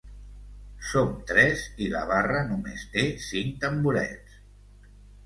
Som tres i la barra només té cinc tamborets.